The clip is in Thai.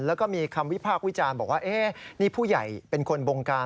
แล้วก็มีคำวิพากษ์วิจารณ์บอกว่านี่ผู้ใหญ่เป็นคนบงการ